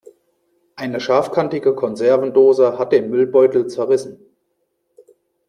Eine scharfkantige Konservendose hat den Müllbeutel zerrissen.